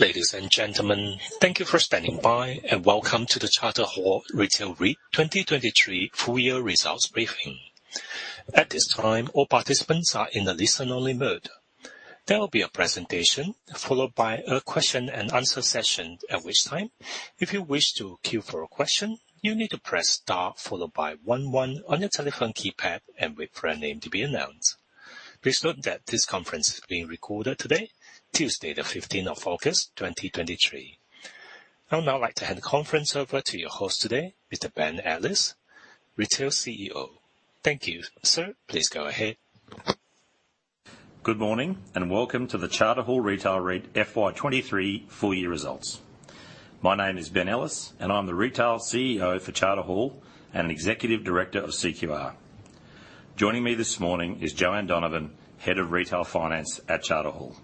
Ladies and gentlemen, thank you for standing by, and welcome to the Charter Hall Retail REIT 2023 full year results briefing. At this time, all participants are in a listen-only mode. There will be a presentation, followed by a question and answer session, at which time, if you wish to queue for a question, you need to press star followed by one, one on your telephone keypad and wait for your name to be announced. Please note that this conference is being recorded today, Tuesday, the 15th of August, 2023. I would now like to hand the conference over to your host today, Mr. Ben Ellis, Retail CEO. Thank you, sir. Please go ahead. Good morning, and welcome to the Charter Hall Retail REIT FY23 full year results. My name is Ben Ellis, and I'm the Retail CEO for Charter Hall and Executive Director of CQR. Joining me this morning is Joanne Donovan, Head of Retail Finance at Charter Hall.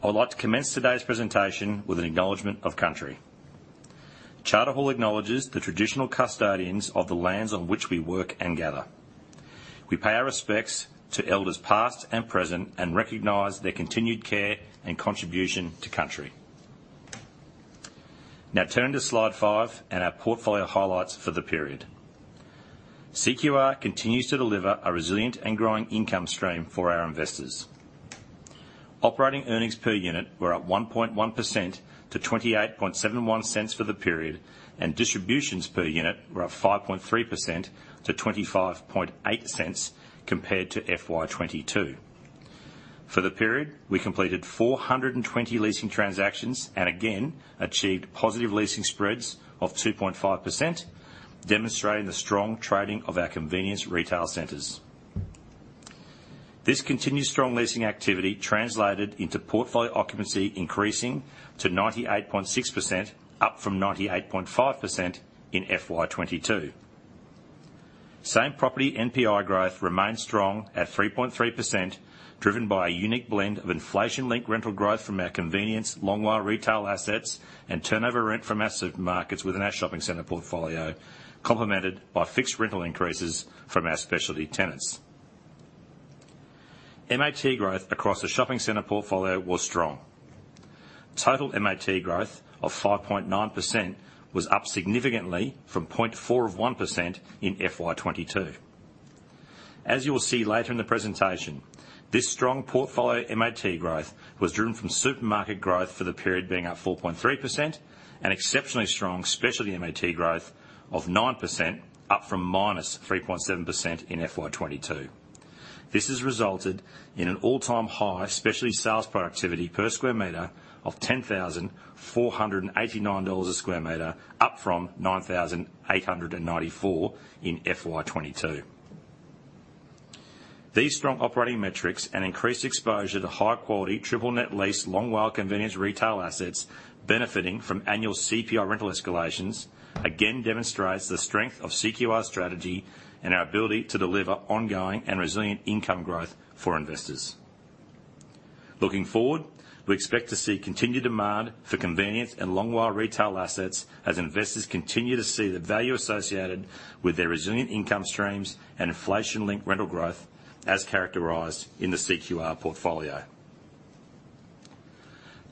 I'd like to commence today's presentation with an acknowledgement of country. Charter Hall acknowledges the traditional custodians of the lands on which we work and gather. We pay our respects to elders past and present, and recognize their continued care and contribution to country. Now, turning to slide five and our portfolio highlights for the period. CQR continues to deliver a resilient and growing income stream for our investors. Operating earnings per unit were up 1.1% to 0.2871 for the period and distributions per unit were up 5.3% to 0.258 compared to FY 2022. For the period, we completed 420 leasing transactions, again, achieved positive leasing spreads of 2.5%, demonstrating the strong trading of our convenience retail centers. This continued strong leasing activity translated into portfolio occupancy increasing to 98.6%, up from 98.5% in FY 2022. Same property NPI growth remained strong at 3.3%, driven by a unique blend of inflation-linked rental growth from our convenience long WALE retail assets and turnover rent from our supermarkets within our shopping center portfolio, complemented by fixed rental increases from our specialty tenants. MAT growth across the shopping center portfolio was strong. Total MAT growth of 5.9% was up significantly from 4.1% in FY 2022. As you will see later in the presentation, this strong portfolio MAT growth was driven from supermarket growth for the period being at 4.3%, and exceptionally strong specialty MAT growth of 9%, up from -3.7% in FY 2022. This has resulted in an all-time high specialty sales productivity per square meter of 10,489 dollars a square meter, up from 9,894 in FY 2022. These strong operating metrics and increased exposure to high-quality, triple net lease, long WALE convenience retail assets benefiting from annual CPI rental escalations, again, demonstrates the strength of CQR's strategy and our ability to deliver ongoing and resilient income growth for investors. Looking forward, we expect to see continued demand for convenience and long WALE retail assets as investors continue to see the value associated with their resilient income streams and inflation-linked rental growth as characterized in the CQR portfolio.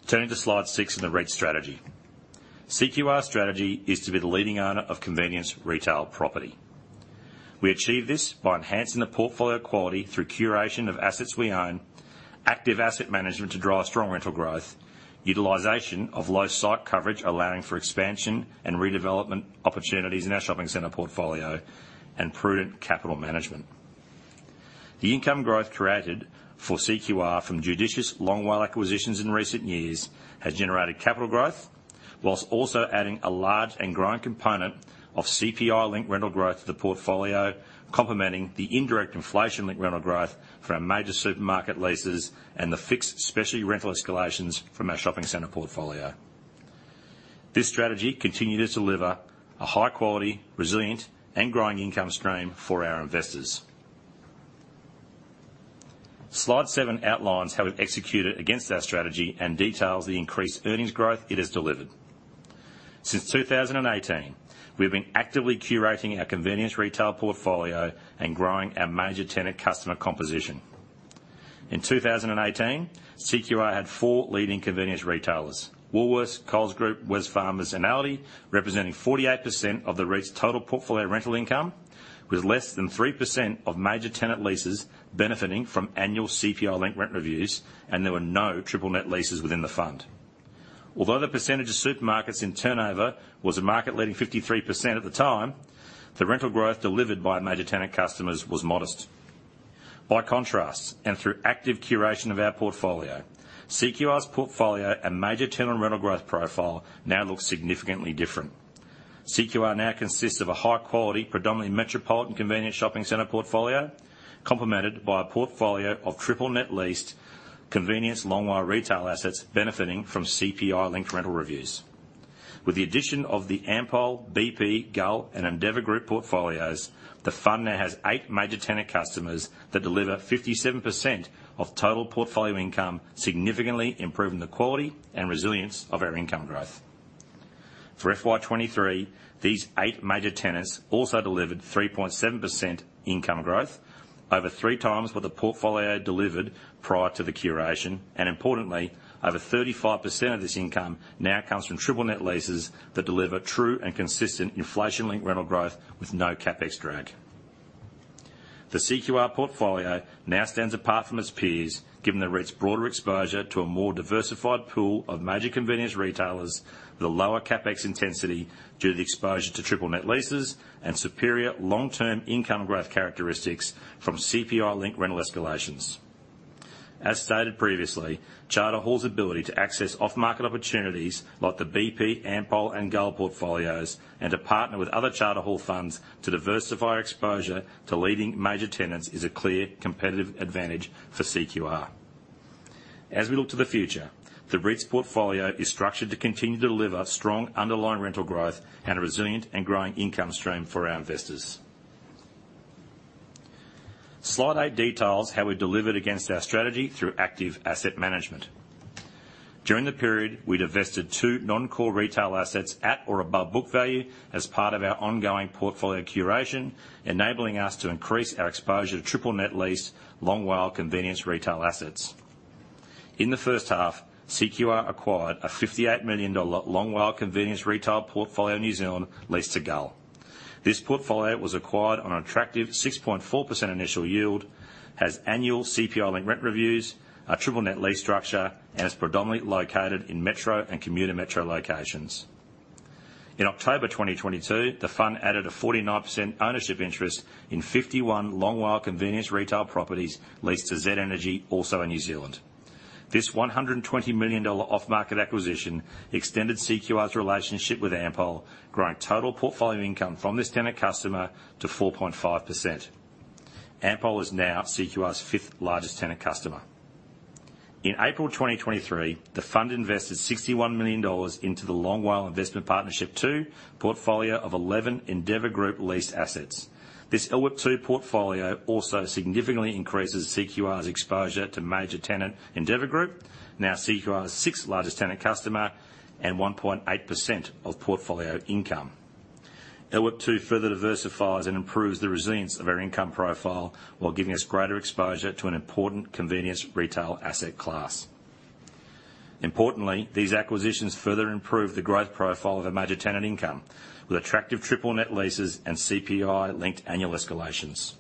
Turning to slide six in the REIT strategy. CQR's strategy is to be the leading owner of convenience retail property. We achieve this by enhancing the portfolio quality through curation of assets we own, active asset management to drive strong rental growth, utilization of low site coverage, allowing for expansion and redevelopment opportunities in our shopping center portfolio, and prudent capital management. The income growth created for CQR from judicious long WALE acquisitions in recent years has generated capital growth, while also adding a large and growing component of CPI-linked rental growth to the portfolio, complementing the indirect inflation-linked rental growth for our major supermarket leases and the fixed specialty rental escalations from our shopping center portfolio. This strategy continued to deliver a high-quality, resilient, and growing income stream for our investors. Slide seven outlines how we've executed against our strategy and details the increased earnings growth it has delivered. Since 2018, we've been actively curating our convenience retail portfolio and growing our major tenant customer composition. In 2018, CQR had four leading convenience retailers: Woolworths, Coles Group, Wesfarmers, and Aldi, representing 48% of the REIT's total portfolio rental income, with less than 3% of major tenant leases benefiting from annual CPI-linked rent reviews, and there were no triple net leases within the fund. Although the percentage of supermarkets in turnover was a market-leading 53% at the time, the rental growth delivered by major tenant customers was modest. By contrast, and through active curation of our portfolio, CQR's portfolio and major tenant rental growth profile now looks significantly different. CQR now consists of a high-quality, predominantly metropolitan convenience shopping center portfolio, complemented by a portfolio of triple net leased, convenience long WALE retail assets benefiting from CPI-linked rental reviews. With the addition of the Ampol, BP, Gull, and Endeavour Group portfolios, the fund now has eight major tenant customers that deliver 57% of total portfolio income, significantly improving the quality and resilience of our income growth. For FY 2023, these eight major tenants also delivered 3.7% income growth, over 3x what the portfolio delivered prior to the curation. Importantly, over 35% of this income now comes from triple net leases that deliver true and consistent inflation-linked rental growth with no CapEx drag. The CQR portfolio now stands apart from its peers, given the REIT's broader exposure to a more diversified pool of major convenience retailers, the lower CapEx intensity due to the exposure to triple net leases, and superior long-term income growth characteristics from CPI-linked rental escalations. As stated previously, Charter Hall's ability to access off-market opportunities like the BP, Ampol, and Gull portfolios, and to partner with other Charter Hall funds to diversify our exposure to leading major tenants, is a clear competitive advantage for CQR. As we look to the future, the REIT's portfolio is structured to continue to deliver strong underlying rental growth and a resilient and growing income stream for our investors. Slide eight details how we delivered against our strategy through active asset management. During the period, we divested two non-core retail assets at or above book value as part of our ongoing portfolio curation, enabling us to increase our exposure to triple net lease, long WALE convenience retail assets. In the first half, CQR acquired a AUD 58 million long WALE convenience retail portfolio in New Zealand, leased to Gull. This portfolio was acquired on an attractive 6.4% initial yield, has annual CPI-linked rent reviews, a triple net lease structure, and is predominantly located in metro and commuter metro locations. In October 2022, the fund added a 49% ownership interest in 51 long WALE convenience retail properties leased to Z Energy, also in New Zealand. This 120 million dollar off-market acquisition extended CQR's relationship with Ampol, growing total portfolio income from this tenant customer to 4.5%. Ampol is now CQR's fifth-largest tenant customer. In April 2023, the fund invested 61 million dollars into the Long WALE Investment Partnership 2 portfolio of 11 Endeavour Group leased assets. This LWIP2 portfolio also significantly increases CQR's exposure to major tenant, Endeavour Group, now CQR's 6th-largest tenant customer, and 1.8% of portfolio income. LWIP2 further diversifies and improves the resilience of our income profile, while giving us greater exposure to an important convenience retail asset class. Importantly, these acquisitions further improve the growth profile of our major tenant income, with attractive triple net leases and CPI-linked annual escalations.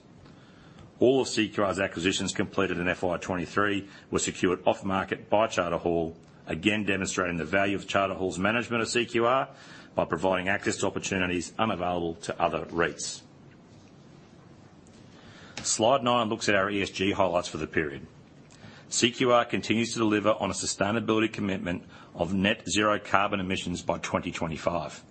All of CQR's acquisitions completed in FY 2023 were secured off-market by Charter Hall, again demonstrating the value of Charter Hall's management of CQR by providing access to opportunities unavailable to other REITs. Slide nine looks at our ESG highlights for the period. CQR continues to deliver on a sustainability commitment of net zero carbon emissions by 2025.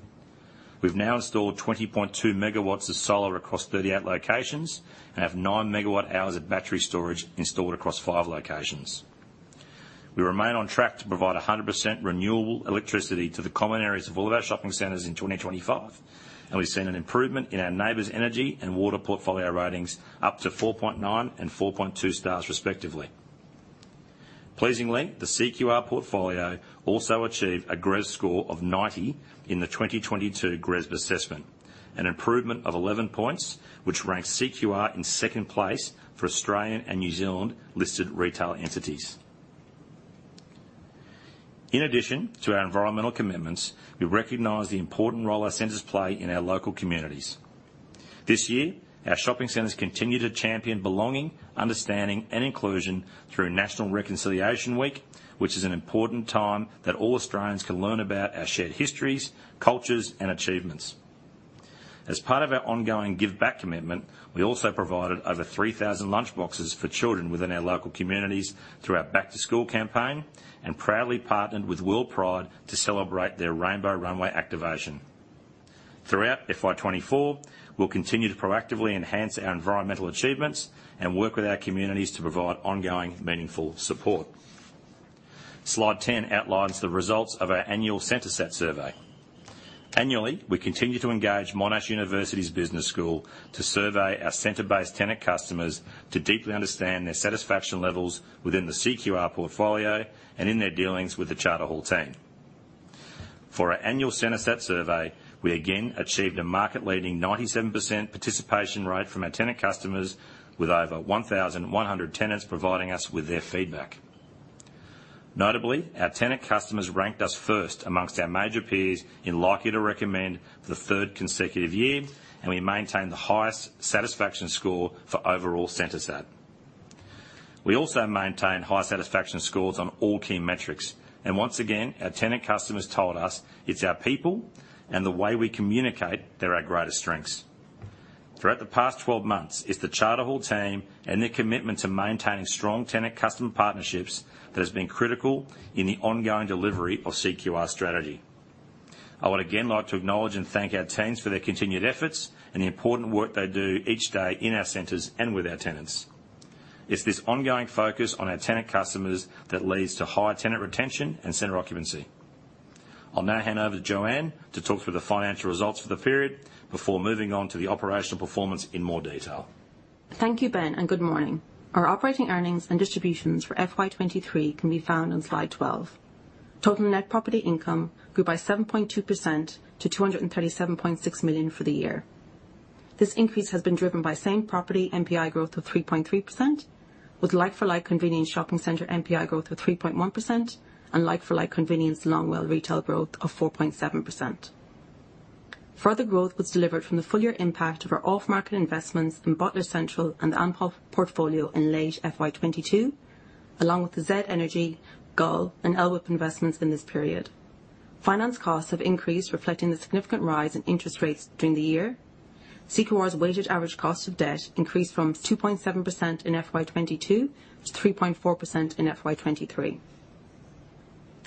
We've now installed 20.2 MW of solar across 38 locations and have 9 MWh of battery storage installed across five locations. We remain on track to provide 100% renewable electricity to the common areas of all of our shopping centers in 2025, and we've seen an improvement in our neighbors' energy and water portfolio ratings, up to 4.9 and 4.2 stars, respectively. Pleasingly, the CQR portfolio also achieved a GRESB score of 90 in the 2022 GRESB assessment, an improvement of 11 points, which ranks CQR in second place for Australian and New Zealand-listed retail entities. Addition to our environmental commitments, we recognize the important role our centers play in our local communities. This year, our shopping centers continue to champion belonging, understanding, and inclusion through National Reconciliation Week, which is an important time that all Australians can learn about our shared histories, cultures, and achievements. As part of our ongoing Give Back commitment, we also provided over 3,000 lunchboxes for children within our local communities through our Back to School campaign, and proudly partnered with WorldPride to celebrate their Rainbow Runway activation. Throughout FY 2024, we'll continue to proactively enhance our environmental achievements and work with our communities to provide ongoing, meaningful support. Slide 10 outlines the results of our annual CenterSet survey. Annually, we continue to engage Monash University's Business School to survey our center-based tenant customers to deeply understand their satisfaction levels within the CQR portfolio and in their dealings with the Charter Hall team. For our annual CenterSet survey, we again achieved a market-leading 97% participation rate from our tenant customers, with over 1,100 tenants providing us with their feedback. Notably, our tenant customers ranked us first amongst our major peers in likely to recommend for the third consecutive year, and we maintained the highest satisfaction score for overall CenterSet. We also maintained high satisfaction scores on all key metrics, and once again, our tenant customers told us it's our people and the way we communicate that are our greatest strengths. Throughout the past 12 months, it's the Charter Hall team and their commitment to maintaining strong tenant customer partnerships that has been critical in the ongoing delivery of CQR's strategy. I would again like to acknowledge and thank our teams for their continued efforts and the important work they do each day in our centers and with our tenants. It's this ongoing focus on our tenant customers that leads to high tenant retention and center occupancy. I'll now hand over to Joanne to talk through the financial results for the period before moving on to the operational performance in more detail. Thank you, Ben, and good morning. Our Operating Earnings and Distributions for FY 2023 can be found on slide 12. Total net property income grew by 7.2% to 237.6 million for the year. This increase has been driven by same property NPI growth of 3.3%, with like-for-like convenience shopping center NPI growth of 3.1% and like-for-like convenience long WALE retail growth of 4.7%. Further growth was delivered from the full year impact of our off-market investments in Butler Central and the Ampol portfolio in late FY 2022, along with the Z Energy, Gull, and LWIP investments in this period. Finance costs have increased, reflecting the significant rise in interest rates during the year. CQR's weighted average cost of debt increased from 2.7% in FY 2022 to 3.4% in FY 2023.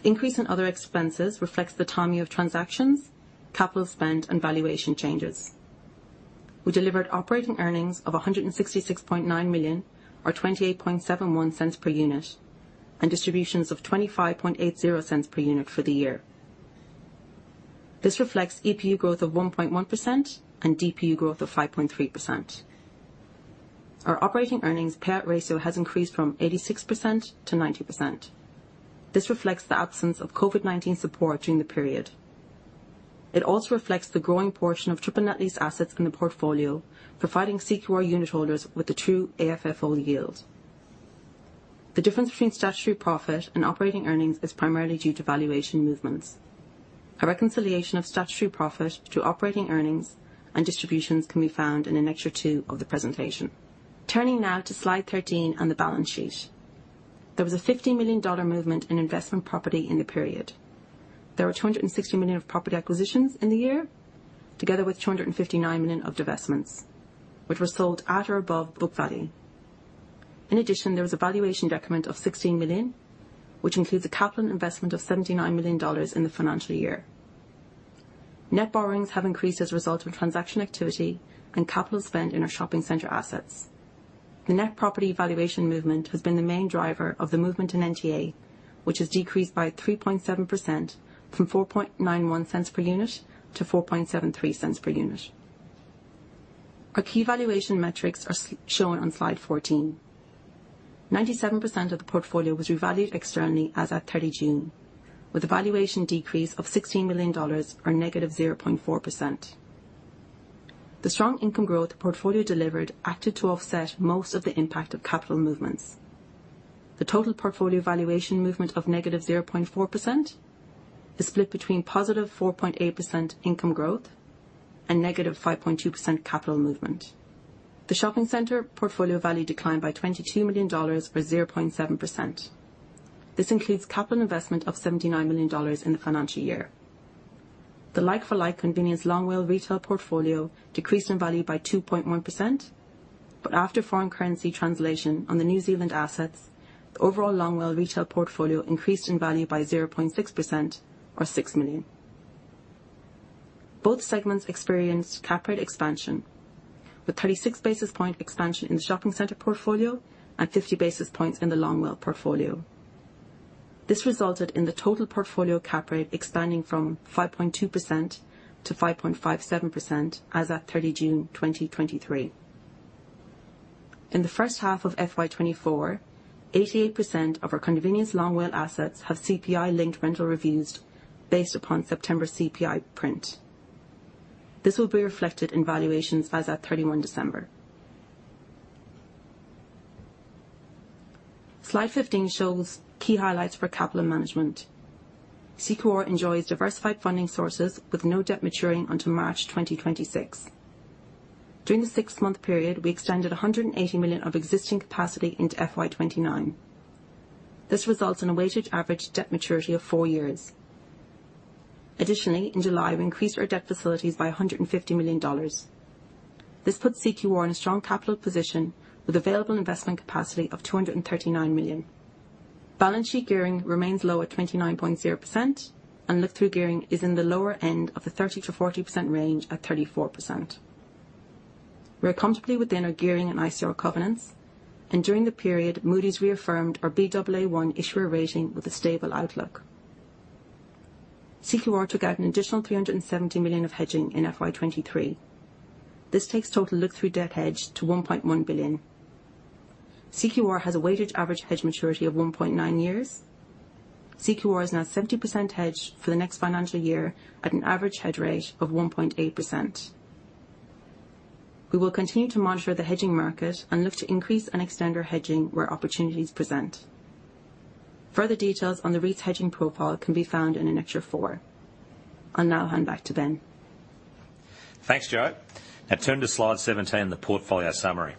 Increase in other expenses reflects the timing of transactions, capital spend, and valuation changes. We delivered operating earnings of 166.9 million, or 0.2871 per unit, and distributions of 0.2580 per unit for the year. This reflects EPU growth of 1.1% and DPU growth of 5.3%. Our operating earnings payout ratio has increased from 86%-90%. This reflects the absence of COVID-19 support during the period. It also reflects the growing portion of triple net lease assets in the portfolio, providing CQR unit holders with a true AFFO yield. The difference between statutory profit and operating earnings is primarily due to valuation movements. A reconciliation of statutory profit to operating earnings and distributions can be found in Annexure 2 of the presentation. Turning now to slide 13 on the balance sheet. There was a 50 million dollar movement in investment property in the period. There were 260 million of property acquisitions in the year, together with 259 million of divestments, which were sold at or above book value. In addition, there was a valuation decrement of 16 million, which includes a capital investment of 79 million dollars in the financial year. Net borrowings have increased as a result of transaction activity and capital spent in our shopping center assets. The net property valuation movement has been the main driver of the movement in NTA, which has decreased by 3.7% from 0.0491 per unit to 0.0473 per unit. Our key valuation metrics are shown on slide 14. 97% of the portfolio was revalued externally as at 30 June, with a valuation decrease of AUD 16 million, or -0.4%. The strong income growth the portfolio delivered acted to offset most of the impact of capital movements. The total portfolio valuation movement of -0.4% is split between +4.8% income growth and -5.2% capital movement. The shopping center portfolio value declined by 22 million dollars or 0.7%. This includes capital investment of 79 million dollars in the financial year. The like for like convenience long WALE retail portfolio decreased in value by 2.1%. After foreign currency translation on the New Zealand assets, the overall long WALE retail portfolio increased in value by 0.6% or $6 million. Both segments experienced cap rate expansion, with 36 basis point expansion in the shopping center portfolio and 50 basis points in the long WALE portfolio. This resulted in the total portfolio cap rate expanding from 5.2%-5.57% as at June 30, 2023. In the first half of FY 2024, 88% of our convenience long WALE assets have CPI-linked rental reviews based upon September CPI print. This will be reflected in valuations as at 31 December. Slide 15 shows key highlights for capital management. CQR enjoys diversified funding sources with no debt maturing until March 2026. During the six-month period, we extended 180 million of existing capacity into FY 2029. This results in a weighted average debt maturity of four years. Additionally, in July, we increased our debt facilities by 150 million dollars. This puts CQR in a strong capital position with available investment capacity of 239 million. Balance sheet gearing remains low at 29.0%, and look-through gearing is in the lower end of the 30%-40% range at 34%. We are comfortably within our gearing and ICR covenants, and during the period, Moody's reaffirmed our Baa1 issuer rating with a stable outlook. CQR took out an additional 370 million of hedging in FY 2023. This takes total look-through debt hedge to 1.1 billion. CQR has a weighted average hedge maturity of 1.9 years. CQR is now 70% hedged for the next financial year at an average hedge rate of 1.8%. We will continue to monitor the hedging market and look to increase and extend our hedging where opportunities present. Further details on the REIT's hedging profile can be found in Annexure 4. I'll now hand back to Ben. Thanks, Jo. Now turn to slide 17, the portfolio summary.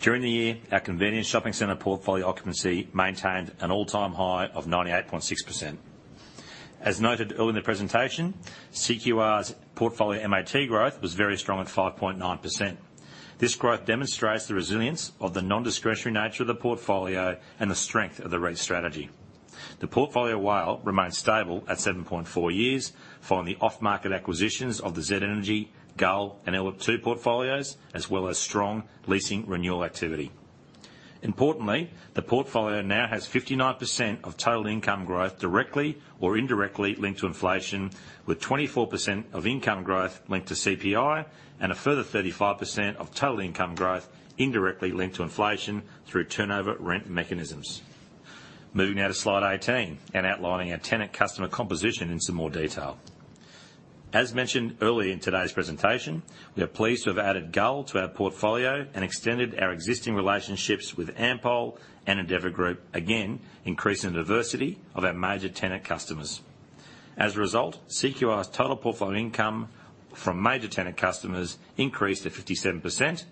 During the year, our convenience shopping center portfolio occupancy maintained an all-time high of 98.6%. As noted earlier in the presentation, CQR's portfolio MAT growth was very strong at 5.9%. This growth demonstrates the resilience of the non-discretionary nature of the portfolio and the strength of the REIT strategy. The portfolio WALE remains stable at 7.4 years, following the off-market acquisitions of the Z Energy, Gull, and LWIP2 portfolios, as well as strong leasing renewal activity. Importantly, the portfolio now has 59% of total income growth directly or indirectly linked to inflation, with 24% of income growth linked to CPI and a further 35% of total income growth indirectly linked to inflation through turnover rent mechanisms. Moving now to slide 18, and outlining our tenant customer composition in some more detail. As mentioned earlier in today's presentation, we are pleased to have added Gull to our portfolio and extended our existing relationships with Ampol and Endeavour Group, again, increasing the diversity of our major tenant customers. As a result, CQR's total portfolio income from major tenant customers increased to 57%,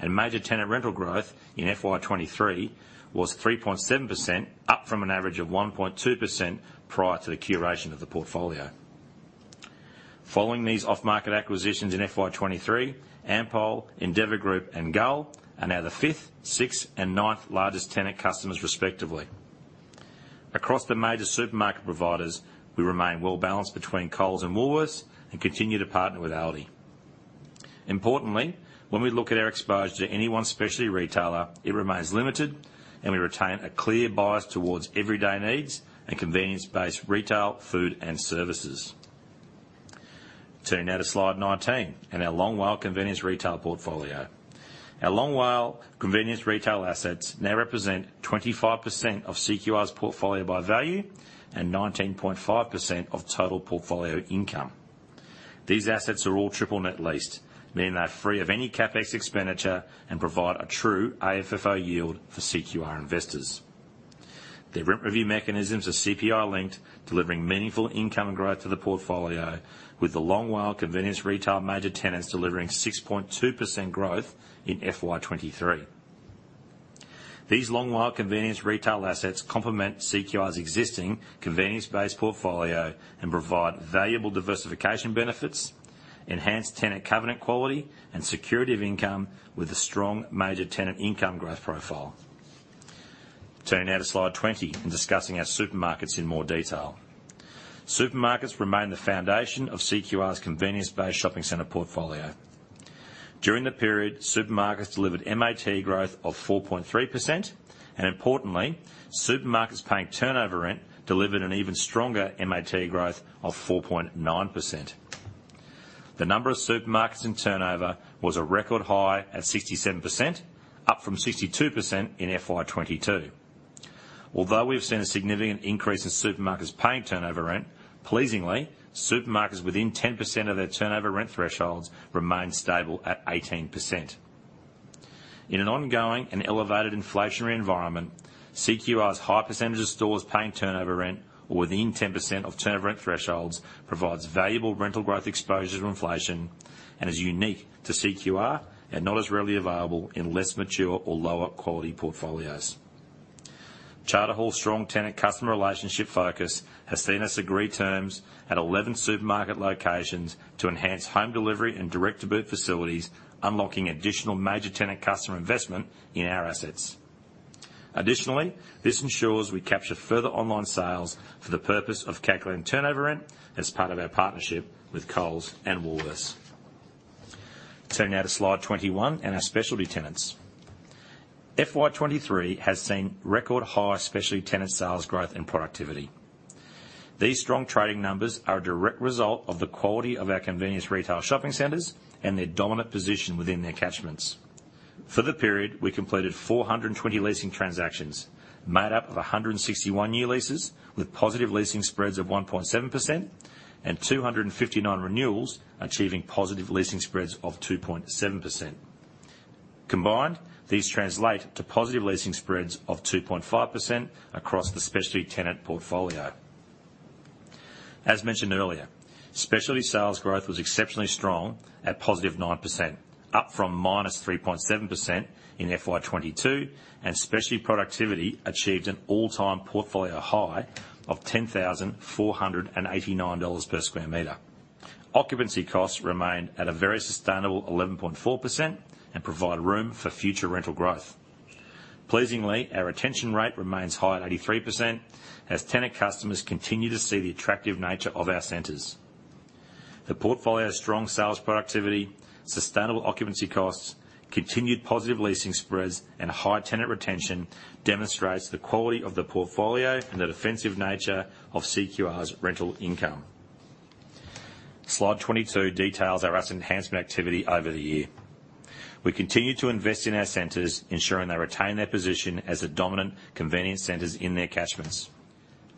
and major tenant rental growth in FY 2023 was 3.7%, up from an average of 1.2% prior to the curation of the portfolio. Following these off-market acquisitions in FY 2023, Ampol, Endeavour Group, and Gull are now the fifth, sixth, and ninth largest tenant customers, respectively. Across the major supermarket providers, we remain well-balanced between Coles and Woolworths and continue to partner with Aldi. Importantly, when we look at our exposure to any one specialty retailer, it remains limited, and we retain a clear bias towards everyday needs and convenience-based retail, food, and services. Turning now to slide 19, and our Long WALE Convenience Retail portfolio. Our Long WALE Convenience Retail assets now represent 25% of CQR's portfolio by value and 19.5% of total portfolio income. These assets are all triple net leased, meaning they're free of any CapEx expenditure and provide a true AFFO yield for CQR investors. Their rent review mechanisms are CPI-linked, delivering meaningful income growth to the portfolio, with the Long WALE Convenience Retail major tenants delivering 6.2% growth in FY 2023. These Long WALE Convenience Retail assets complement CQR's existing convenience-based portfolio and provide valuable diversification benefits, enhanced tenant covenant quality, and security of income, with a strong major tenant income growth profile. Turning now to slide 20, discussing our supermarkets in more detail. Supermarkets remain the foundation of CQR's convenience-based shopping center portfolio. During the period, supermarkets delivered MAT growth of 4.3%, and importantly, supermarkets paying turnover rent delivered an even stronger MAT growth of 4.9%. The number of supermarkets in turnover was a record high at 67%, up from 62% in FY 2022. Although we've seen a significant increase in supermarkets paying turnover rent, pleasingly, supermarkets within 10% of their turnover rent thresholds remain stable at 18%. In an ongoing and elevated inflationary environment, CQR's high percentage of stores paying turnover rent or within 10% of turnover rent thresholds, provides valuable rental growth exposure to inflation and is unique to CQR and not as readily available in less mature or lower quality portfolios. Charter Hall's strong tenant customer relationship focus has seen us agree terms at 11 supermarket locations to enhance home delivery and direct-to-boot facilities, unlocking additional major tenant customer investment in our assets. Additionally, this ensures we capture further online sales for the purpose of calculating turnover rent as part of our partnership with Coles and Woolworths. Turning now to slide 21 and our specialty tenants. FY 2023 has seen record high specialty tenant sales growth and productivity. These strong trading numbers are a direct result of the quality of our convenience retail shopping centers and their dominant position within their catchments. For the period, we completed 420 leasing transactions, made up of 160 one-year leases with positive leasing spreads of 1.7% and 259 renewals, achieving positive leasing spreads of 2.7%. Combined, these translate to positive leasing spreads of 2.5% across the specialty tenant portfolio. As mentioned earlier, specialty sales growth was exceptionally strong at +9%, up from -3.7% in FY 2022, and specialty productivity achieved an all-time portfolio high of 10,489 dollars per square meter. Occupancy costs remain at a very sustainable 11.4% and provide room for future rental growth. Pleasingly, our retention rate remains high at 83%, as tenant customers continue to see the attractive nature of our centers. The portfolio's strong sales productivity, sustainable occupancy costs, continued positive leasing spreads, and high tenant retention demonstrates the quality of the portfolio and the defensive nature of CQR's rental income. Slide 22 details our asset enhancement activity over the year. We continue to invest in our centers, ensuring they retain their position as the dominant convenience centers in their catchments.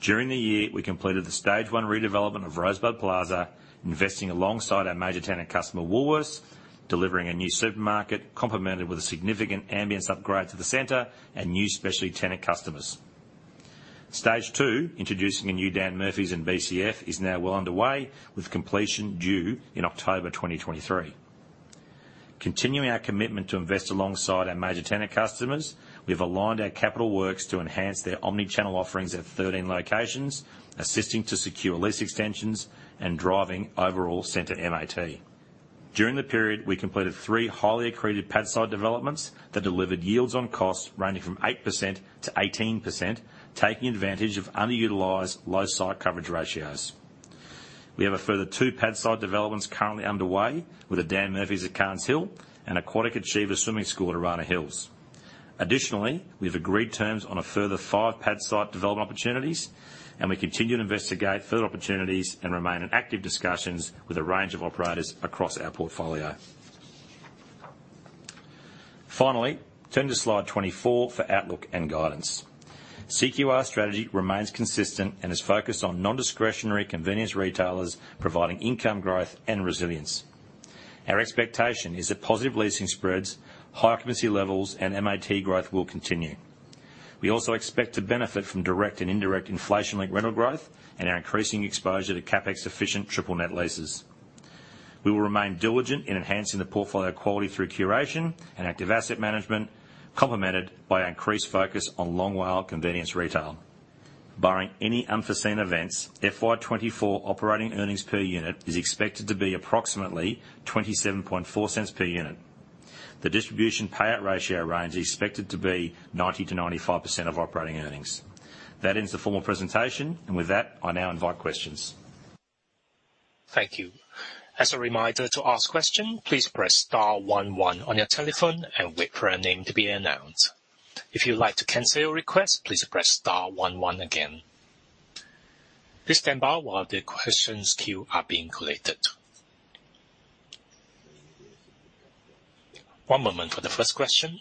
During the year, we completed the stage one redevelopment of Rosebud Plaza, investing alongside our major tenant customer, Woolworths, delivering a new supermarket, complemented with a significant ambience upgrade to the center and new specialty tenant customers. Stage two, introducing a new Dan Murphy's and BCF, is now well underway, with completion due in October 2023. Continuing our commitment to invest alongside our major tenant customers, we've aligned our capital works to enhance their omni-channel offerings at 13 locations, assisting to secure lease extensions and driving overall center MAT. During the period, we completed three highly accreted pad site developments that delivered yields on costs ranging from 8%-18%, taking advantage of underutilized low site coverage ratios. We have a further two pad site developments currently underway with a Dan Murphy's at Carnes Hill and Aquatic Achievers Swimming School at Arana Hills. Additionally, we've agreed terms on a further five pad site development opportunities. We continue to investigate further opportunities and remain in active discussions with a range of operators across our portfolio. Finally, turn to slide 24 for outlook and guidance. CQR strategy remains consistent and is focused on non-discretionary convenience retailers, providing income growth and resilience. Our expectation is that positive leasing spreads, high occupancy levels, and MAT growth will continue. We also expect to benefit from direct and indirect inflation-linked rental growth and our increasing exposure to CapEx-efficient triple net leases. We will remain diligent in enhancing the portfolio quality through curation and active asset management, complemented by increased focus on long WALE convenience retail. Barring any unforeseen events, FY 2024 operating earnings per unit is expected to be approximately 0.274 per unit. The distribution payout ratio range is expected to be 90%-95% of operating earnings. That ends the formal presentation, and with that, I now invite questions. Thank you. As a reminder to ask question, please press star one, one on your telephone and wait for your name to be announced. If you'd like to cancel your request, please press star one, one again. Please stand by while the questions queue are being collected. One moment for the first question.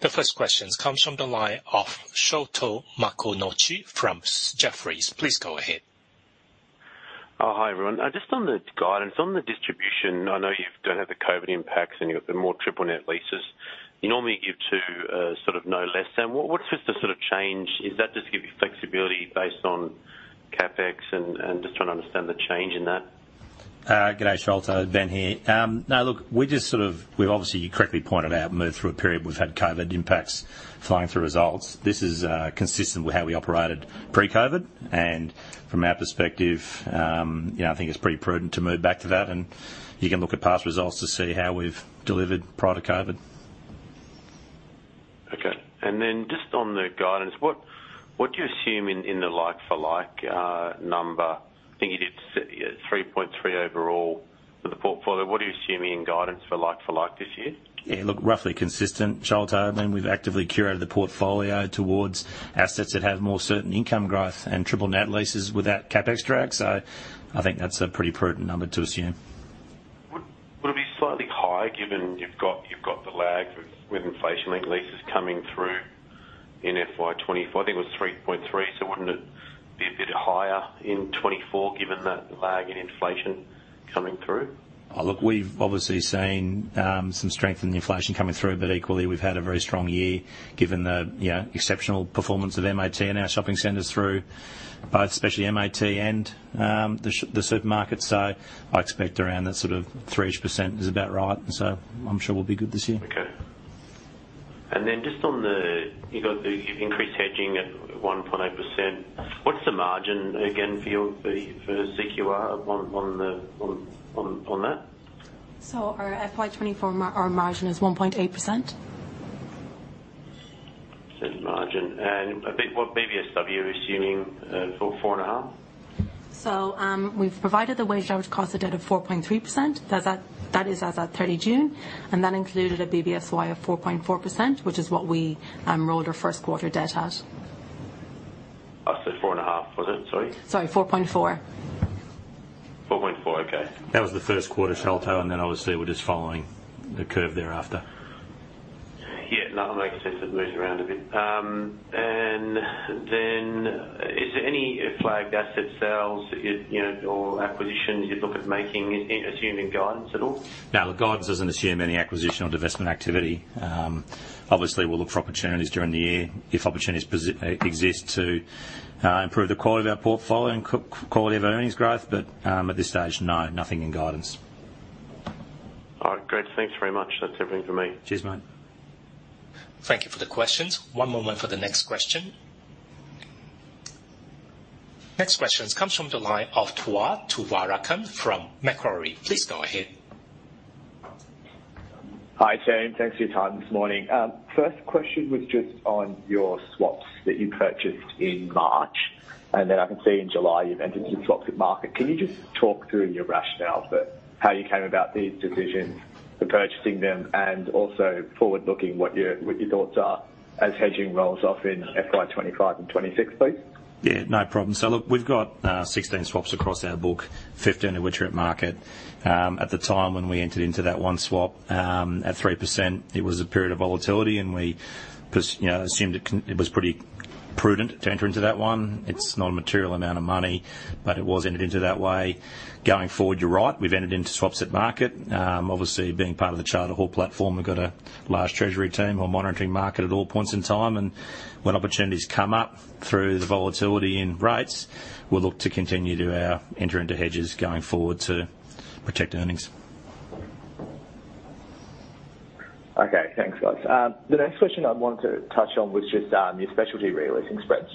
The first question comes from the line of Sholto Maconochie from Jefferies. Please go ahead. Oh, hi, everyone. Just on the guidance, on the distribution, I know you don't have the COVID impacts, and you have the more triple net leases. You normally give to, sort of no less than. What, what's just the sort of change? Is that just to give you flexibility based on CapEx and, and just trying to understand the change in that? Good day, Sholto, Ben here. Now, look, we just sort of, we've obviously, you correctly pointed out, moved through a period where we've had COVID impacts flowing through results. This is consistent with how we operated pre-COVID. From our perspective, yeah, I think it's pretty prudent to move back to that, and you can look at past results to see how we've delivered prior to COVID. Okay. Then just on the guidance, what, what do you assume in, in the like for like number? I think you did 3.3 overall for the portfolio. What are you assuming in guidance for like for like this year? Yeah, look, roughly consistent, Sholto. I mean, we've actively curated the portfolio towards assets that have more certain income growth and triple net leases without CapEx drag, so I think that's a pretty prudent number to assume. Would, would it be slightly higher, given you've got, you've got the lag with, with inflation-linked leases coming through in FY 2024? I think it was 3.3, so wouldn't it be a bit higher in 24, given that the lag in inflation coming through? Oh, look, we've obviously seen some strength in the inflation coming through. Equally, we've had a very strong year, given the, you know, exceptional performance of MAT and our shopping centers through both, especially MAT and the supermarkets. I expect around that sort of 3%+ is about right. I'm sure we'll be good this year. Okay. Then just on the, you got the increased hedging at 1.8%. What's the margin again for your CQR on that? Our FY 2024 our margin is 1.8%. Said margin. A bit, what BBSW are you assuming, for 4.5%? We've provided the wage load cost of debt of 4.3%. That is as at 30 June, that included a BBSY of 4.4%, which is what we rolled our first quarter debt at. I said 4.5%, was it? Sorry. Sorry, 4.4%. 4.4%. Okay. That was the first quarter, Sholto, and then obviously we're just following the curve thereafter. Yeah, no, that makes sense. It moves around a bit. Then is there any flagged asset sales, you know, or acquisitions you'd look at making, assuming guidance at all? The guidance doesn't assume any acquisition or divestment activity. Obviously, we'll look for opportunities during the year if opportunities exist to improve the quality of our portfolio and quality of our earnings growth, but, at this stage, no, nothing in guidance. All right, great. Thanks very much. That's everything for me. Cheers, mate. Thank you for the questions. One moment for the next question. Next questions comes from the line of Tua Tuvarakan from Macquarie. Please go ahead. Hi, team. Thanks for your time this morning. First question was just on your swaps that you purchased in March, then I can see in July, you've entered some swaps at market. Can you just talk through your rationale for how you came about these decisions, for purchasing them, and also forward-looking, what your thoughts are as hedging rolls off in FY 2025 and 2026, please? Yeah, no problem. Look, we've got 16 swaps across our book, 15 of which are at market. At the time when we entered into that one swap, at 3%, it was a period of volatility, and we, because, you know, assumed it was pretty prudent to enter into that one. It's not a material amount of money, but it was entered into that way. Going forward, you're right. We've entered into swaps at market. Obviously, being part of the Charter Hall platform, we've got a large treasury team. We're monitoring market at all points in time, and when opportunities come up through the volatility in rates, we'll look to continue to enter into hedges going forward to protect earnings. Okay. Thanks, guys. The next question I wanted to touch on was just your specialty re-leasing spreads.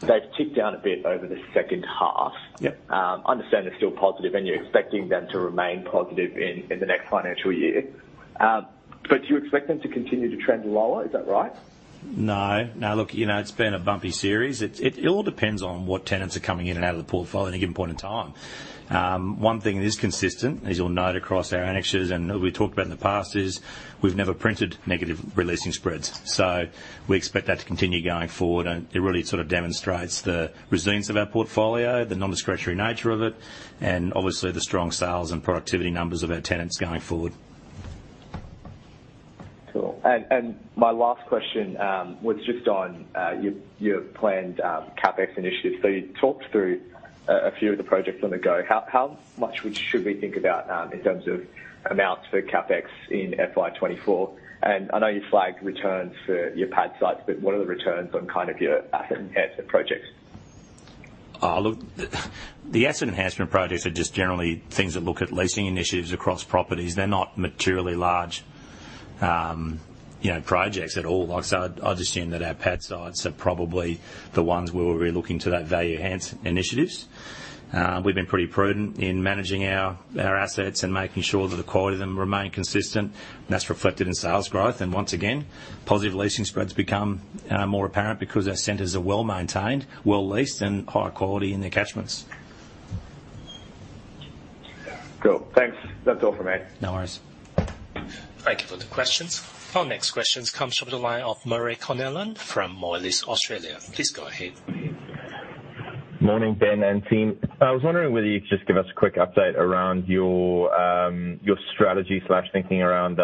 They've ticked down a bit over the second half. Yeah. I understand they're still positive, and you're expecting them to remain positive in, in the next financial year. Do you expect them to continue to trend lower? Is that right? No. No, look, you know, it's been a bumpy series. It all depends on what tenants are coming in and out of the portfolio at any given point in time. One thing that is consistent, as you'll note across our annexures, and we talked about in the past, is we've never printed negative re-leasing spreads. We expect that to continue going forward, and it really sort of demonstrates the resilience of our portfolio, the non-discretionary nature of it, and obviously, the strong sales and productivity numbers of our tenants going forward. Cool. and my last question was just on your, your planned CapEx initiatives. You talked through a few of the projects on the go. How, how much would-- should we think about in terms of amounts for CapEx in FY 2024? I know you flagged returns for your pad sites, but what are the returns on kind of your asset enhancement projects? Look, the asset enhancement projects are just generally things that look at leasing initiatives across properties. They're not materially large, you know, projects at all. Like I said, I'd assume that our pad sites are probably the ones where we're really looking to that value enhance initiatives. We've been pretty prudent in managing our, our assets and making sure that the quality of them remain consistent, and that's reflected in sales growth. Once again, positive leasing spreads become more apparent because our centers are well-maintained, well-leased, and high quality in their catchments. Cool. Thanks. That's all for me. No worries. Thank you for the questions. Our next question comes from the line of Murray Connellan from Moelis Australia. Please go ahead. Morning, Ben and team. I was wondering whether you could just give us a quick update around your strategy/thinking around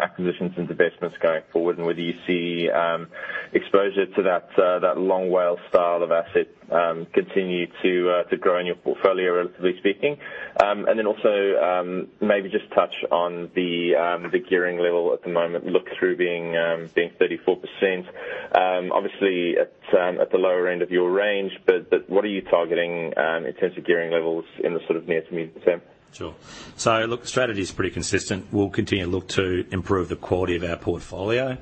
acquisitions and divestments going forward, and whether you see exposure to that long WALE style of asset continue to grow in your portfolio, relatively speaking. Also, maybe just touch on the gearing level at the moment. Look-through being 34%, obviously at the lower end of your range, but what are you targeting in terms of gearing levels in the sort of near to medium term? Sure. Look, the strategy is pretty consistent. We'll continue to look to improve the quality of our portfolio.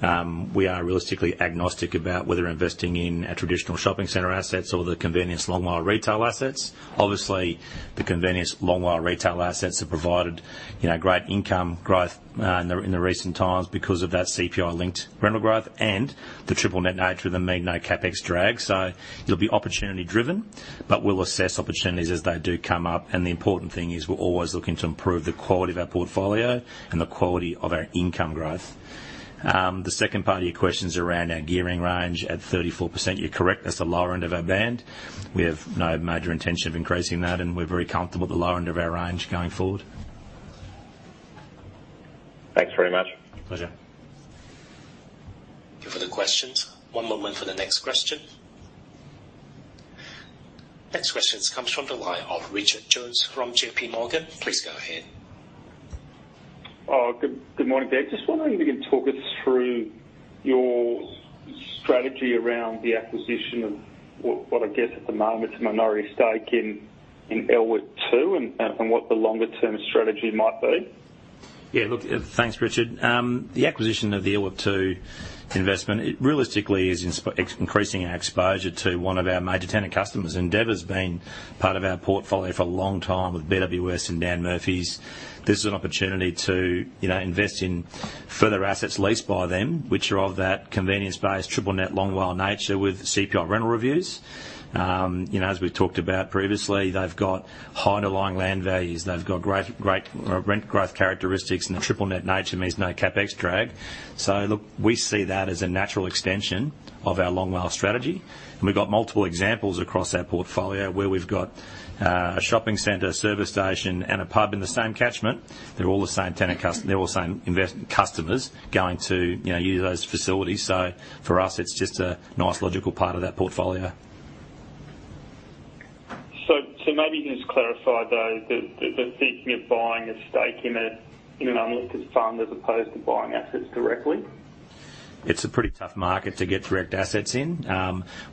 We are realistically agnostic about whether investing in our traditional shopping center assets or the convenience long WALE retail assets. Obviously, the convenience long WALE retail assets have provided, you know, great income growth in the recent times because of that CPI-linked rental growth and the triple net nature of them mean no CapEx drag. It'll be opportunity driven, but we'll assess opportunities as they do come up. The important thing is we're always looking to improve the quality of our portfolio and the quality of our income growth. The second part of your question is around our gearing range at 34%. You're correct, that's the lower end of our band. We have no major intention of increasing that, and we're very comfortable with the lower end of our range going forward. Thanks very much. Pleasure. Thank you for the questions. One moment for the next question. Next question comes from the line of Richard Jones from JPMorgan. Please go ahead. Oh, good, good morning, Ben. Just wondering if you can talk us through your strategy around the acquisition of what, what I guess at the moment, a minority stake in, in LWIP2 and, and what the longer term strategy might be? Yeah, look, thanks, Richard. The acquisition of the LWIP2 investment, it realistically is increasing our exposure to one of our major tenant customers. Endeavour's been part of our portfolio for a long time with BWS and Dan Murphy's. This is an opportunity to, you know, invest in further assets leased by them, which are of that convenience-based, triple net, long WALE nature with CPI rental reviews. You know, as we've talked about previously, they've got high underlying land values. They've got great, great rent growth characteristics, and the triple net nature means no CapEx drag. Look, we see that as a natural extension of our long WALE strategy, and we've got multiple examples across our portfolio where we've got a shopping center, service station, and a pub in the same catchment. They're all the same tenant customers going to, you know, use those facilities. For us, it's just a nice logical part of that portfolio. so maybe you can just clarify, though, the, the, the thinking of buying a stake in a, in an unlisted fund as opposed to buying assets directly? It's a pretty tough market to get direct assets in.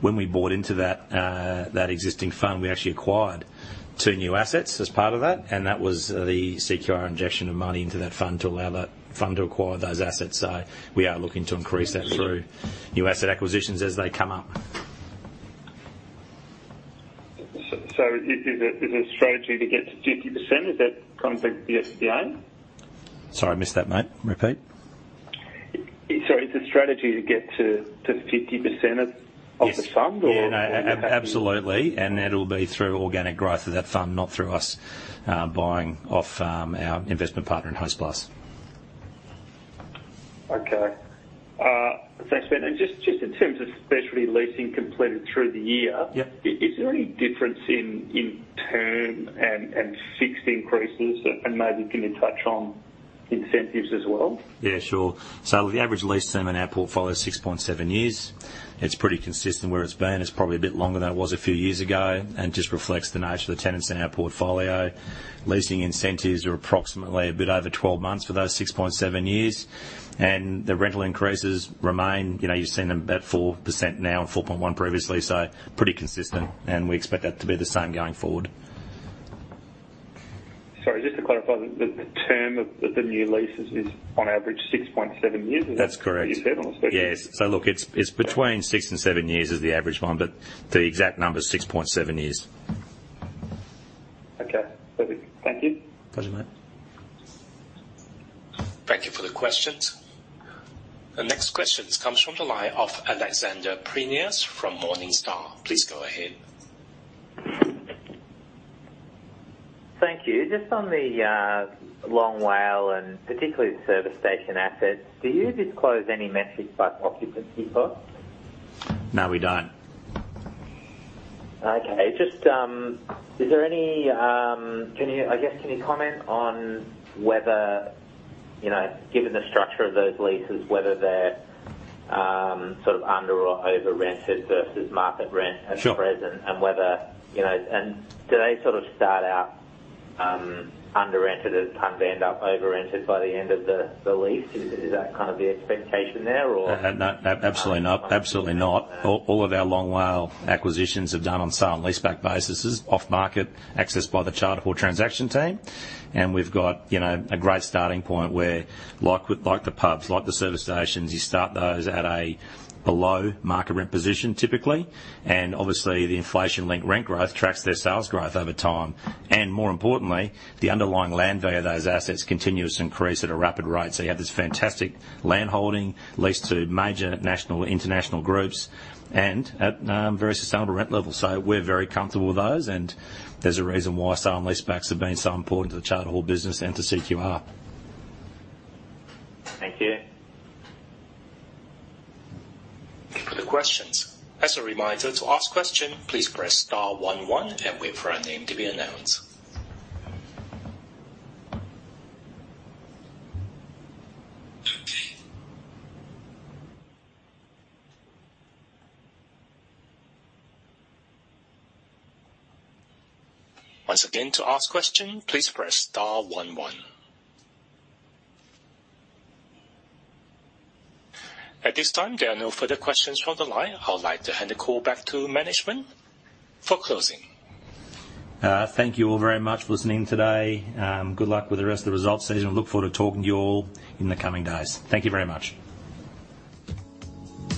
When we bought into that existing fund, we actually acquired two new assets as part of that. That was the CQR injection of money into that fund to allow that fund to acquire those assets. We are looking to increase that through new asset acquisitions as they come up. Is the strategy to get to 50%? Is that consistent with the SPA? Sorry, I missed that, mate. Repeat. Sorry, is the strategy to get to 50% of the fund or? Yes. Yeah, no, absolutely, and it'll be through organic growth of that fund, not through us, buying off, our investment partner in Hostplus. Okay. Thanks, Ben. Just, just in terms of specialty leasing completed through the year- Yeah. Is there any difference in term and fixed increases? Maybe can you touch on incentives as well? Yeah, sure. The average lease term in our portfolio is 6.7 years. It's pretty consistent where it's been. It's probably a bit longer than it was a few years ago, and just reflects the nature of the tenants in our portfolio. Leasing incentives are approximately a bit over 12 months for those 6.7 years. The rental increases remain, you know, you've seen them at 4% now and 4.1% previously, pretty consistent, and we expect that to be the same going forward. Sorry, just to clarify, the, the term of the new leases is on average 6.7 years? That's correct. You said on the- Yes. look, it's, it's between six and seven years is the average one, but the exact number is 6.7 years. Okay, perfect. Thank you. Pleasure, mate. Thank you for the questions. The next question comes from the line of Alexander Prineas from Morningstar. Please go ahead. Thank you. Just on the long WALE, and particularly the service station assets, do you disclose any metrics about occupancy costs? No, we don't. Okay. Just, is there any, I guess, can you comment on whether, you know, given the structure of those leases, whether they're, sort of under or over rented versus market rent? Sure -present and whether, you know, and do they sort of start out, under rented and can they end up over rented by the end of the, the lease? Is, is that kind of the expectation there or? No, absolutely not. Absolutely not. All of our long WALE acquisitions have done on sale and leaseback basis, off market, accessed by the Charter Hall transaction team. We've got, you know, a great starting point where like with, like the pubs, like the service stations, you start those at a below market rent position typically, and obviously the inflation link rent growth tracks their sales growth over time. More importantly, the underlying land value of those assets continues to increase at a rapid rate. You have this fantastic landholding leased to major national, international groups and at very sustainable rent levels. We're very comfortable with those, and there's a reason why sale and leasebacks have been so important to the Charter Hall business and to CQR. Thank you. Thank you for the questions. As a reminder, to ask question, please press star one one and wait for your name to be announced. Once again, to ask question, please press star one one. At this time, there are no further questions from the line. I would like to hand the call back to management for closing. Thank you all very much for listening today. Good luck with the rest of the results season. Look forward to talking to you all in the coming days. Thank you very much.